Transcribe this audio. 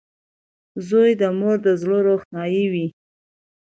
• زوی د مور د زړۀ روښنایي وي.